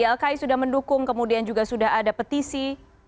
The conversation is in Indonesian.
ylki sudah mendukung kemudian juga sudah ada petisi